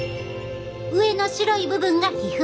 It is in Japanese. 上の白い部分が皮膚。